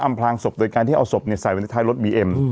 พลางศพโดยการที่เอาศพใส่ไว้ในท้ายรถบีเอ็ม